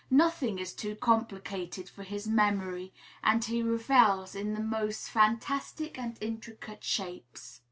Nothing is too complicated for his memory, and he revels in the most fantastic and intricate shapes.